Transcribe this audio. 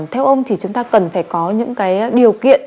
theo ông thì chúng ta cần phải có những cái điều kiện